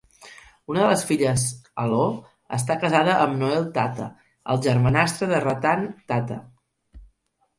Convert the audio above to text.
Una de les filles, Aloo, està casada amb Noel Tata, el germanastre de Ratan Tata.